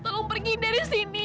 tolong pergi dari sini